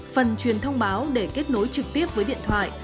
phần truyền thông báo để kết nối trực tiếp với điện thoại